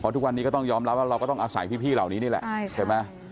ทุกวันนี้ก็ต้องยอมรับว่าเราก็ต้องอาศัยพี่เหล่านี้นี่แหละใช่ไหม